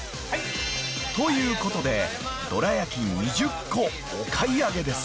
［ということでどら焼き２０個お買い上げです］